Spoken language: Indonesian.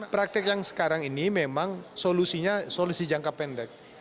praktek yang sekarang ini memang solusinya solusi jangka pendek